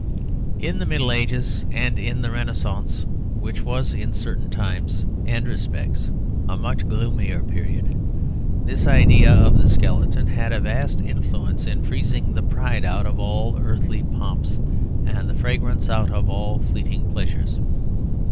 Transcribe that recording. In the Middle Ages and in the Renaissance (which was, in certain times and respects, a much gloomier period) this idea of the skeleton had a vast influence in freezing the pride out of all earthly pomps and the fragrance out of all fleeting pleasures.